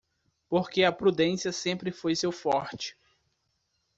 Porque a prudência sempre foi seu forte.